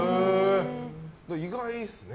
意外ですね。